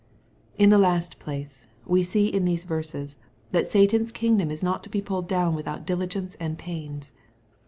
In the last place, we see in these verses that Satan's kingdom is not to be pulled down without diligence and pains.